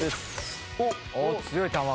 おっ強い球が。